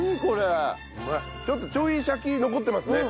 ちょっとちょいシャキ残ってますね。